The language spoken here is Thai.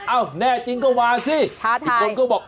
เอ้าแน่จริงก็มาสิอีกคนก็บอกถ้าถ่าย